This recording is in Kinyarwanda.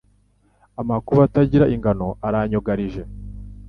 Amakuba atagira ingano aranyugarije